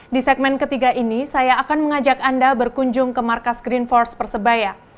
di segmen ketiga ini saya akan mengajak anda berkunjung ke markas green force persebaya